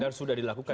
dan sudah dilakukan